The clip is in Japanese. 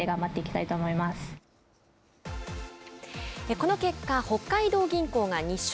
この結果北海道銀行が２勝。